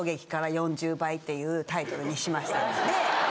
っていうタイトルにしました。